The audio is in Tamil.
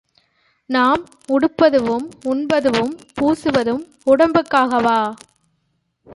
நாம் உடுப்பதுவும், உண்பதுவும், பூசுவதும் உடம்புக்காகவா?